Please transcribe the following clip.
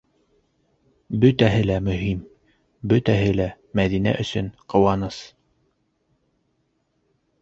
Бөтәһе лә мөһим, бөтәһе лә Мәҙинә өсөн ҡыуаныс.